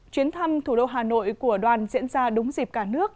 chuyến thăm thủ đô hà nội của đoàn diễn ra đúng dịp cả nước